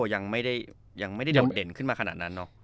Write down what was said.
ยังไม่ได้โดดเด่นขึ้นมาขนาดนั้นเนาะ